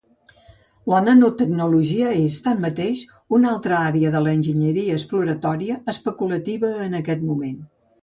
La nanotecnologia és, tanmateix, una altra àrea de l'enginyeria exploratòria especulativa en aquest moment.